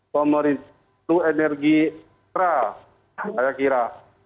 pemerintah energi terang saya kira